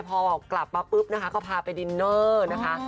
พอกลับมาปุ๊บนะคะก็พาไปดินเนอร์นะคะ